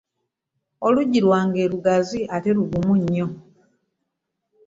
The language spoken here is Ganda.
Oluggi lwamwe lugazi ate luggumu nnyo.